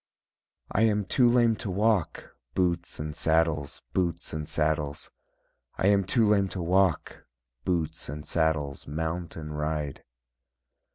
I am too lame to walk, Boots and saddles, boots and saddles, I am too lame to walk, Boots and saddles, mount and ride.